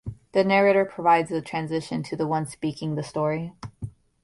The narrator provides the transition to the one speaking the story.